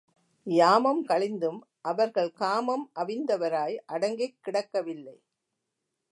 யாமம் கழிந்தும் அவர்கள் காமம் அவிந்தவராய் அடங்கிக் கிடக்கவில்லை.